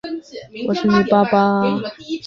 反应佛道融合之民间信仰特色。